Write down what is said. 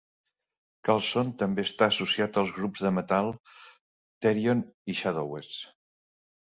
Karlsson també està associat als grups de metal Therion i Shadowseeds.